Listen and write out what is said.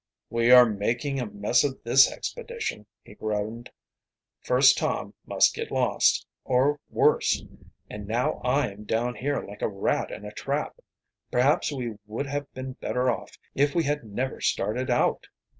"We are making a mess of this expedition," he groaned. "First Tom must get lost, or worse, and now I am down here like a rat in a trap. Perhaps we would have been better off if we had never started out."